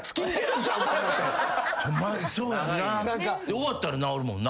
終わったら治るもんな。